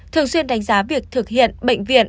thường xuyên đánh giá việc thực hiện bệnh viện